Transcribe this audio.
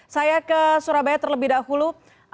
saya ke surabaya terlebih dahulu